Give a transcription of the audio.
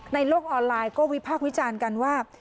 ในโลกออนไลน์ก็วิพากษ์วิจารณ์กันว่า